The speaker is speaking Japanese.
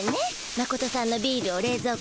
マコトさんのビールをれいぞう